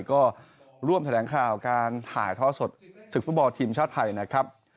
ก็ร่วมแถลงข่าวการถ่ายท่อสดศึกฟุตบอลทีมชาติไทยนะครับ